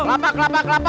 kelapa kelapa kelapa